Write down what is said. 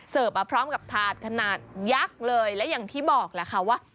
มาพร้อมกับถาดขนาดยักษ์เลยและอย่างที่บอกแหละค่ะว่า